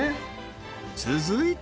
［続いて］